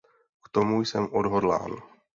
K tomu jsem odhodlán.